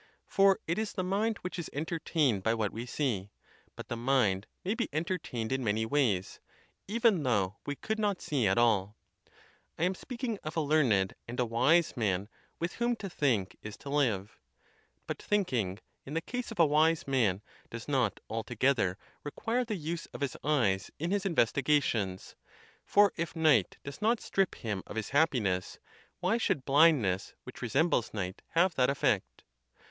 For it is the mind which is entertained by what we see; but the mind may be entertained in many ways, even though we could not see at all. I am speaking of a learned and a wise man, with whom to think is to live. But thinking in the case of a wise man does not altogether require the use of his eyes in his investigations; for if night does not strip him of his happiness, why should blindness, which re sembles night, have that effect?